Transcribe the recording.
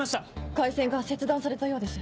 回線が切断されたようです。